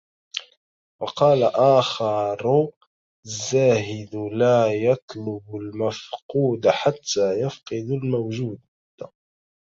وَقَالَ آخَرُ الزَّاهِدُ لَا يَطْلُبُ الْمَفْقُودَ حَتَّى يَفْقِدَ الْمَوْجُودَ